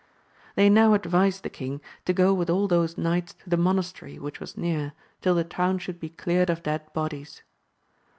They now advised the king to go with all those knights to the monastery which was near, till the town should be cleared of dead bodies.